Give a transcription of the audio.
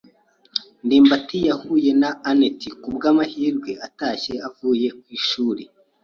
ndimbati yahuye na anet ku bw'amahirwe atashye avuye ku ishuri.